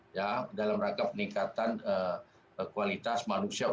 ya dalam rangka peningkatan kualitas manusia